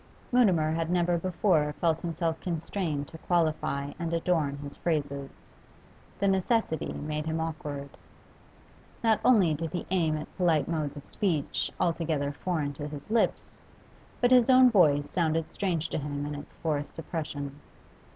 Mutimer had never before felt himself constrained to qualify and adorn his phrases; the necessity made him awkward. Not only did he aim at polite modes of speech altogether foreign to his lips, but his own voice sounded strange to him in its forced suppression.